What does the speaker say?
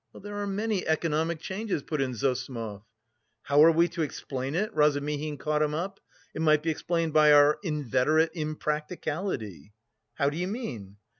"There are many economic changes," put in Zossimov. "How are we to explain it?" Razumihin caught him up. "It might be explained by our inveterate impracticality." "How do you mean?"